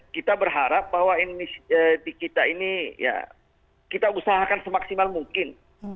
kita berharap bahwa kita ini kita usahakan semaksimal mungkin